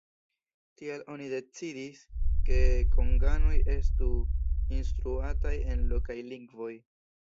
Tial oni decidis, ke konganoj estu instruataj en la lokaj lingvoj.